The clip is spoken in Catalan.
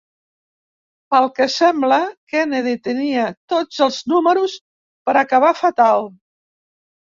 Pel que sembla, Kennedy tenia tots els números per acabar fatal.